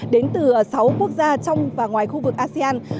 đến từ sáu quốc gia trong và ngoài khu vực asean